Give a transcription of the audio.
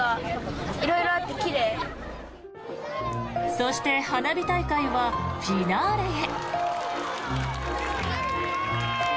そして花火大会はフィナーレへ。